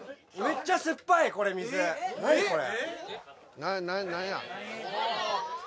何これ？